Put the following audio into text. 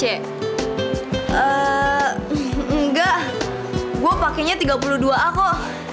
enggak gue pakainya tiga puluh dua a kok